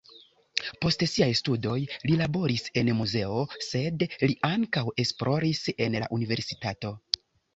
Post siaj studoj li laboris en muzeo, sed li ankaŭ esploris en la universitato.